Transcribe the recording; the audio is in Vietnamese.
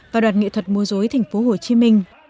và đoạt nghệ thuật mô dối tp hcm